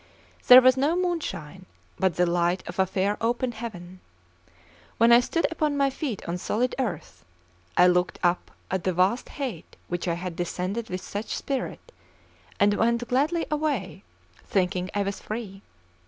There was no moonshine, but the light of a fair open heaven. When I stood upon my feet on solid earth, I looked up at the vast height which I had descended with such spirit, and went gladly away, thinking I was free.